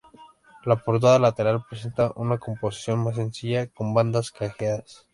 La portada lateral presenta una composición más sencilla, con bandas cajeadas.